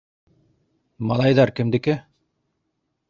Малайҙар кемдеке?